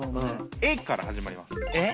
「エ」から始まります。